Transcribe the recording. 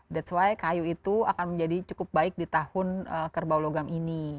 that's why kayu itu akan menjadi cukup baik di tahun kerbau logam ini